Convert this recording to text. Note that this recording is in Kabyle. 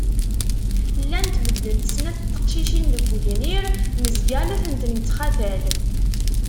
Llant beddent snat n teqcicin deg ugnir, nezga la tent-nettxatal